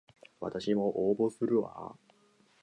わたしも応募するわ